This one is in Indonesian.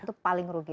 itu paling rugi